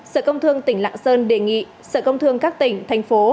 sở công thương tỉnh lạng sơn đề nghị sở công thương các tỉnh thành phố